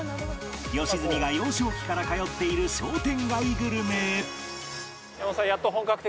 良純が幼少期から通っている商店街グルメへ